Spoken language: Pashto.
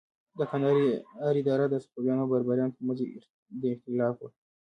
د کندهار اداره د صفویانو او بابریانو تر منځ د اختلاف وه.